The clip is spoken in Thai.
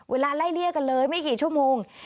เวลาไล่เลี่ยกันเลยไม่กี่ชั่วโมง